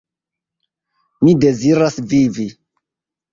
Mi deziras vivi.